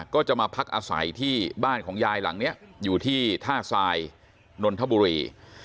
ก็จะมาพักอาศัยที่บ้านของยายหลังนี้อยู่ที่ท่าทรายนนทบุรี